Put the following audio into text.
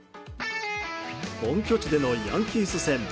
本拠地でのヤンキース戦。